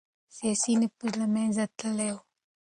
سياسي نفوذ له منځه تللی و.